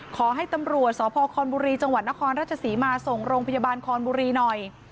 ขอให้ตำรวจสพคอนบุรีจังหวัดนครราชศรีมาส่งโรงพยาบาลคอนบุรีหน่อย